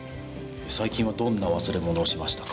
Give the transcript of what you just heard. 最近はどんな忘れ物をしましたか？